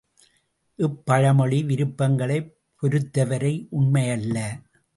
இப்பழமொழி விருப்பங்களைப் பொருத்தவரை உண்மை யல்ல.